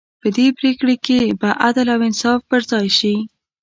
په دې پرېکړې کې به عدل او انصاف پر ځای شي.